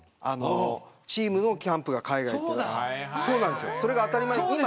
チームのキャンプが海外でそれが当たり前でした。